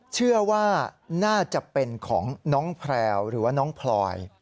เชื่อว่าน่าจะเป็นของน้องแพลวหรือว่าน้องพลอย